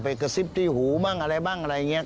กระซิบที่หูบ้างอะไรบ้างอะไรอย่างนี้